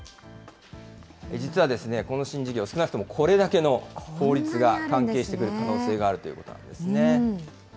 実はですね、この新事業、少なくともこれだけの法律が関係してくる可能性があるということこんなにあるんですね。